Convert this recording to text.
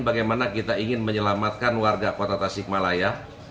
bagaimana kita ingin menyelamatkan warga kota tasikmalaya